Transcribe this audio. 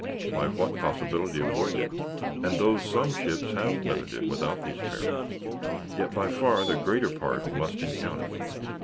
By what possibility avoid it? And though some ships have weathered it without these perils, yet by far the greater part must encounter them.